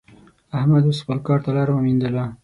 احمد اوس خپل کار ته لاره ومېندله.